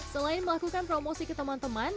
selain melakukan promosi ke teman teman